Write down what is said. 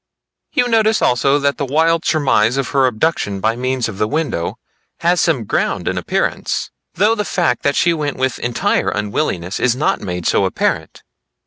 You notice also that the wild surmise of her abduction by means of the window, has some ground in appearance, though the fact that she went with entire unwillingness is not made so apparent.